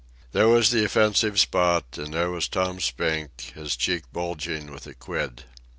There was the offensive spot, and there was Tom Spink, his cheek bulging with a quid.